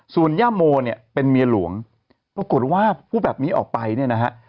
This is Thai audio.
ส่วนย่าโมเนี่ยเป็นเมียหลวงปรากฏว่าพูดแบบนี้ออกไปเนี่ยนะฮะ